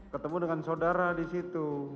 ketemu dengan saudara disitu